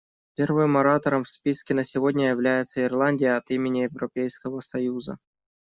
Первым оратором в списке на сегодня является Ирландия от имени Европейского союза.